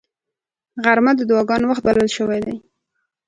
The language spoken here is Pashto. غرمه د دعاګانو وخت بلل شوی دی